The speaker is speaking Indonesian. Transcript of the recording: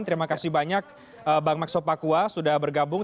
terima kasih banyak bang maxo pakua sudah bergabung